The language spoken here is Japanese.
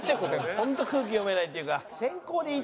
本当空気読めないっていうか。